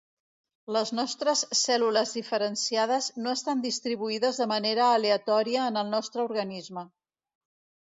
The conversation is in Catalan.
Les nostres cèl·lules diferenciades no estan distribuïdes de manera aleatòria en el nostre organisme.